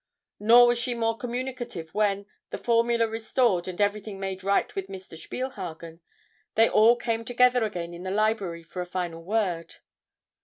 Nor was she more communicative, when, the formula restored and everything made right with Mr. Spielhagen, they all came together again in the library for a final word.